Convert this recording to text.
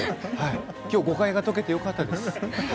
きょう誤解が解けてよかったです。